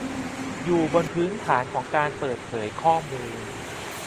อยู่บนพื้นฐานของการเปิดเผยข้อมูล